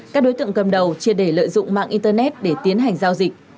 các đối tượng cầm đầu chia để lợi dụng mạng internet để tiến hành giao dịch